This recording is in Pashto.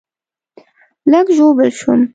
لږ ژوبل شوم